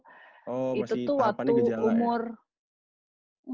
oh masih tahapannya gejala ya